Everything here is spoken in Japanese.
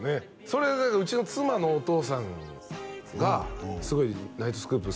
それうちの妻のお父さんがすごい「ナイトスクープ」